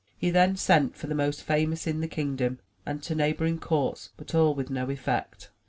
He then sent for the most famous in the kingdom and to neighboring courts, but all with no effect.